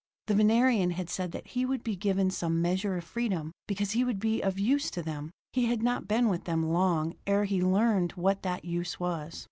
The Venerian had said that he would be given some measure of freedom, because he would be of use to them; he had not been with them long ere he learned what that use was.